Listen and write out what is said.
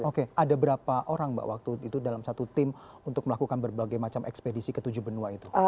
oke ada berapa orang mbak waktu itu dalam satu tim untuk melakukan berbagai macam ekspedisi ke tujuh benua itu